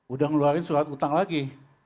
udah ngeluarin surat utang lagi